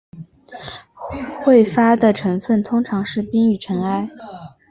彗发的成分通常是冰与尘埃。